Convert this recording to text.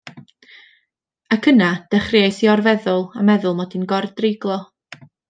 Ac yna dechreuais i or-feddwl a meddwl mod i'n gor-dreiglo!